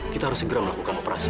kita harus segera melakukan operasi